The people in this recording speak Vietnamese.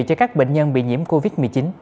cho các bệnh nhân bị nhiễm covid một mươi chín